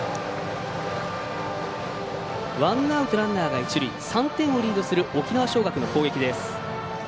ワンアウト、ランナーが一塁３点をリードする沖縄尚学の攻撃です。